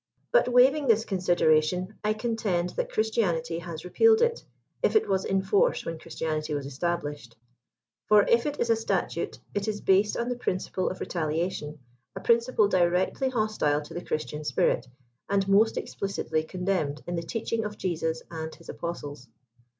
But, waiving this consideration, I contend that Christianity has repealed it, if it was in force when Christianity was estab lished. For if it IS a statute, it is based on the principle of re taliation, a principle directly hostile to the Christian spirit, and most explicitly condemned in the teaching of Jesus and bis apostles.